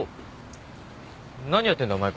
何やってんだお前